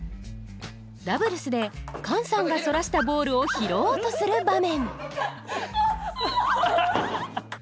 ダブルスでカンさんがそらしたボールを拾おうとする場面